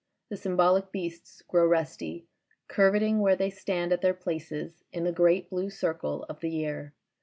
The symboHc beasts grow resty, curveting where they stand at their places in the great blue circle of the year.